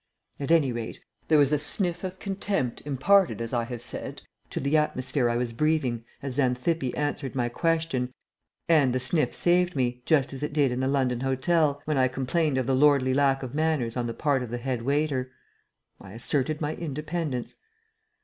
At any rate, there was a sniff of contempt imparted, as I have said, to the atmosphere I was breathing as Xanthippe answered my question, and the sniff saved me, just as it did in the London hotel, when I complained of the lordly lack of manners on the part of the head waiter. I asserted my independence.